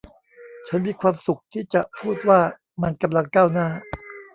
ฉันมีความสุขที่จะพูดว่ามันกำลังก้าวหน้า